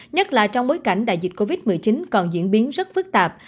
nhất là trong bối cảnh đại dịch covid một mươi chín còn diễn biến rất phức tạp